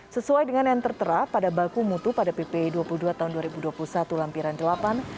sesuai dengan yang tertera pada baku mutu pada pp dua puluh dua tahun dua ribu dua puluh satu lampiran delapan